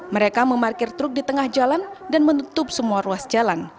mereka memarkir truk di tengah jalan dan menutup semua ruas jalan